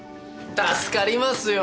助かりますよ